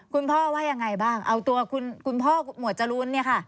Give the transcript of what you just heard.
คุณพ่อว่ายังไงบ้างเอาตัวคุณพ่อหมวดจรูนเนี่ยค่ะ